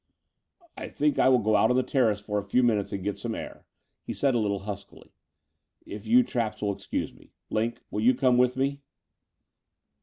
I think I will go out on the terrace for a few minutes and get some air," he said a little huskily, *'if you chaps will excuse me. Line, will you come with me?"